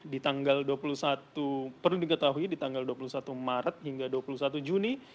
di tanggal dua puluh satu perlu diketahui di tanggal dua puluh satu maret hingga dua puluh satu juni